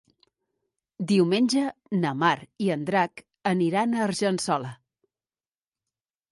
Diumenge na Mar i en Drac aniran a Argençola.